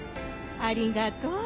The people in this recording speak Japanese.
ありがとう。